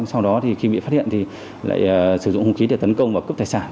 sau đó thì khi bị phát hiện thì lại sử dụng hung khí để tấn công và cướp tài sản